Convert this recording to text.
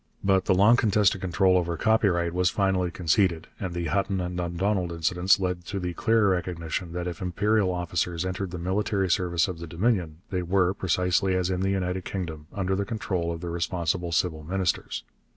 But the long contested control over copyright was finally conceded, and the Hutton and Dundonald incidents led to the clearer recognition that if imperial officers entered the military service of the Dominion they were, precisely as in the United Kingdom, under the control of the responsible civil ministers.